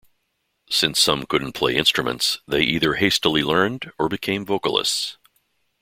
Since some couldn't play instruments, they either hastily learned, or became vocalists.